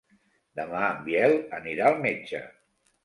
Demà en Biel anirà al metge.